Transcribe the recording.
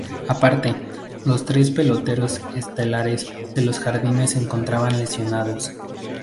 Aparte, los tres peloteros estelares de los jardines se encontraban lesionados.